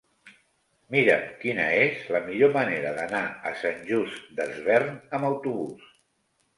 Mira'm quina és la millor manera d'anar a Sant Just Desvern amb autobús.